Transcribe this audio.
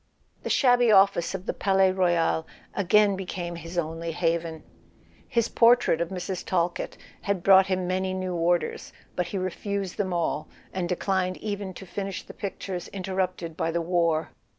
The shabby office of the Palais Royal again became his only haven. His portrait of Mrs. Talkett had brought him many new orders; but he refused them all, and declined even to finish the pictures interrupted by the war.